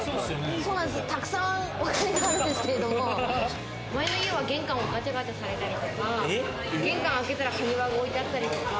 たくさんお金があるんですけれども、前の家は玄関ガチャガチャされたりとか、玄関開けたら埴輪が置いてあったりとか。